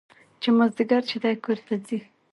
چې مازديګر چې دى کور ته ځي.